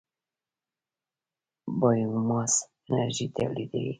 بایوماس انرژي تولیدوي.